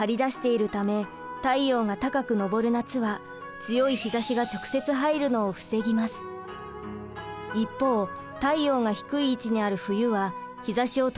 一方太陽が低い位置にある冬は日ざしを取り込んで暖かくなります。